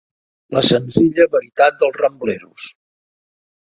La "senzilla" veritat dels Rambleros.